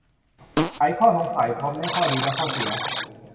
ไขข้อสงสัย พร้อมแนะข้อดี และข้อเสีย